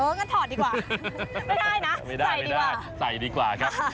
เอิ่งั้นถอดดีกว่าไม่ได้นะใส่ดีกว่าครับ